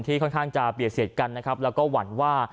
ค่อนข้างจะเบียดเสียดกันนะครับแล้วก็หวั่นว่า